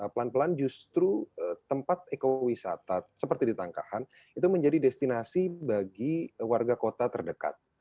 pelan pelan justru tempat ekowisata seperti di tangkahan itu menjadi destinasi bagi warga kota terdekat